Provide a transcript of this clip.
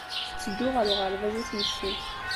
Tetteddu ɣer uɣerbaz ass n ssebt.